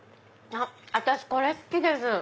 私これ好きです。